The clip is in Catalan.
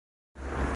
Fer el vici.